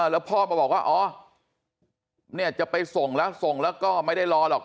แล้วพ่อมาบอกว่าอ๋อเนี่ยจะไปส่งแล้วส่งแล้วก็ไม่ได้รอหรอก